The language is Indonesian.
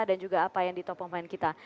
dan juga apa yang ditopong main kita